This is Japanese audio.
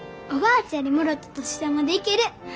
おばあちゃんにもろたお年玉で行ける。